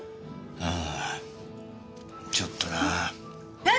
ああちょっとな。えっ！？